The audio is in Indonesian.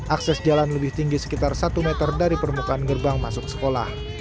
akses jalan lebih tinggi sekitar satu meter dari permukaan gerbang masuk sekolah